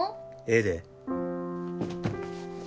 ええで。